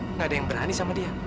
tidak ada yang berani sama dia